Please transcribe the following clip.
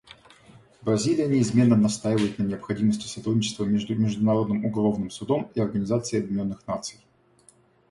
Бразилия неизменно настаивает на необходимости сотрудничества между Международным уголовным судом и Организацией Объединенных Наций.